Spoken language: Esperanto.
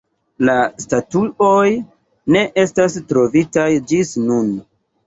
La statuoj ne estas trovitaj ĝis nun.